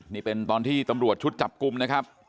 นี่เป็นตอนที่ตำรวจชุดจับกลุ่มนะครับ